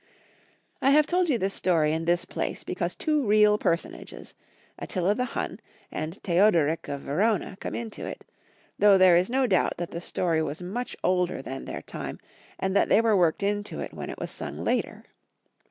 I have told you this story in this place because two real personages, Attila the Hun and Theude rick of Verona, come into it, though there is no doubt tliat the story was much older than their time, and that they were worked into it when it was sung later.